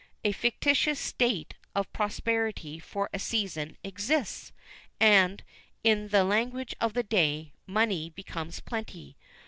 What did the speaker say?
A fictitious state of prosperity for a season exists, and, in the language of the day, money becomes plenty.